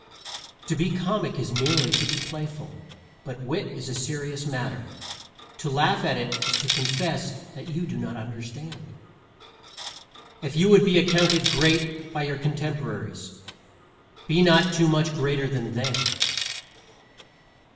To be comic is merely to be playful, but wit is a serious matter. To laugh at it is to confess that you do not understand. If you would be accounted great by your contemporaries, be not too much greater than they.